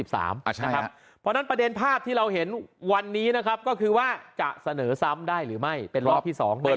เพราะฉะนั้นประเด็นภาพที่เราเห็นวันนี้ก็คือว่าจะเสนอซ้ำได้หรือไม่